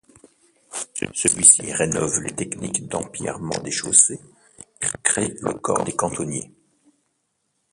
Celui-ci rénove les techniques d'empierrement des chaussées et crée le corps des cantonniers.